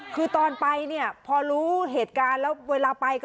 เป็นคนที่เฝ้ามาก